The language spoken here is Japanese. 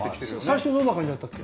最初どんなかんじだったっけ？